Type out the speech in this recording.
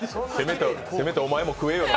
せめてお前も食えよと。